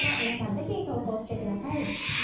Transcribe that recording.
ぜひ投稿してください。